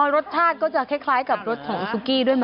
รสชาติก็จะคล้ายกับรสของซุกี้ด้วยไหม